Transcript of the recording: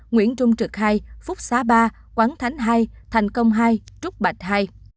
nguyễn trung trực hai phúc xá ba quán thánh hai thành công hai trúc bạch hai